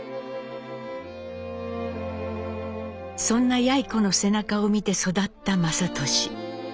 そんなやい子の背中を見て育った雅俊。